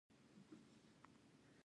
د مڼې دانه د څه لپاره مه خورم؟